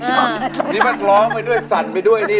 นี่มันร้องไปด้วยสั่นไปด้วยนี่